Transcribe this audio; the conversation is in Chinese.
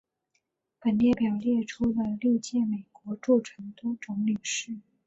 本列表列出了历任美国驻成都总领事。